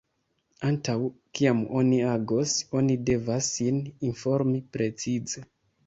Antaŭ kiam oni agos, oni devas sin informi precize.